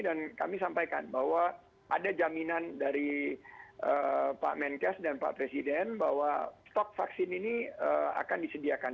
dan kami sampaikan bahwa ada jaminan dari pak menteri kesehatan dan pak presiden bahwa stok vaksin ini akan disediakan